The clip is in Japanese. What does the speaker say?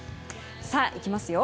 さあ、いきますよ。